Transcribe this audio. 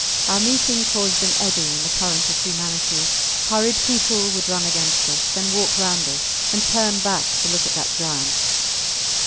Our meeting caused an eddy in the current of humanity. Hurried people would run against us, then walk round us, and turn back to look at that giant.